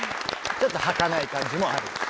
ちょっとはかない感じもある。